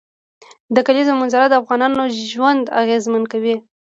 د کلیزو منظره د افغانانو ژوند اغېزمن کوي.